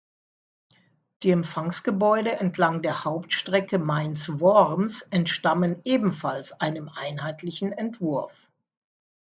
Die Empfangsgebäude entlang der Hauptstrecke Mainz–Worms entstammen ebenfalls einem einheitlichen Entwurf.